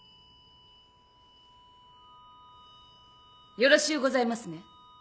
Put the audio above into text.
よろしゅうございますね？